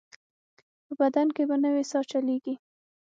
په بدن کې به نوې ساه چلېږي.